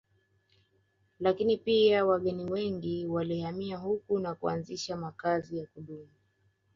Lakini pia wageni wengi walihamia huku na kuanzisha makazi ya kudumu